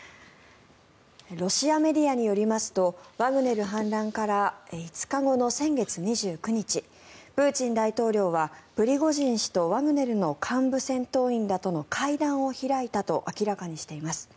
ロシアメディアによりますとワグネル反乱から５日後の先月２９日、プーチン大統領はプリゴジン氏とワグネルの幹部戦闘員らとの会談を開いたと明らかにしています。